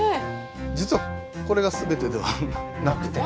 実はこれが全てではなくて。